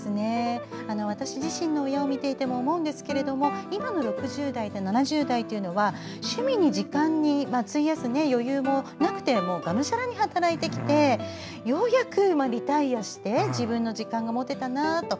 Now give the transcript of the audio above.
私自身の親を見ていても思うんですけども今の６０代、７０代の方は趣味に時間を費やす余裕もなくてがむしゃらに働いてきてようやくリタイアして自分の時間が持てたなと。